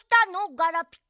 ガラピコ。